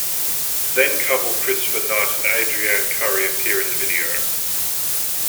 Then-couple Christopher Knight and Adrianne Curry appear in the video.